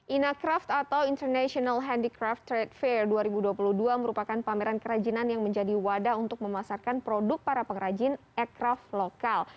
inacraft atau international handicraft trade fair dua ribu dua puluh dua merupakan pameran kerajinan yang menjadi wadah untuk memasarkan produk para pengrajin aircraft lokal